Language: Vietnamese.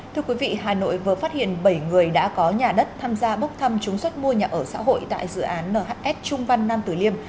thưa quý vị hà nội vừa phát hiện bảy người đã có nhà đất tham gia bốc thăm chúng suất mua nhà ở xã hội tại dự án nhs trung văn nam tử liêm